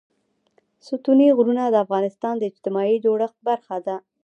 ستوني غرونه د افغانستان د اجتماعي جوړښت برخه ده.